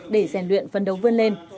để rèn luyện phân đấu vươn lên